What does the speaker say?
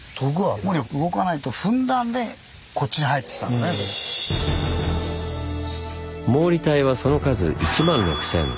だから毛利隊はその数１万６，０００。